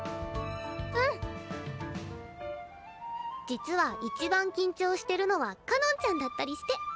実は一番緊張してるのはかのんちゃんだったりして。